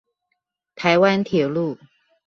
台灣鐵路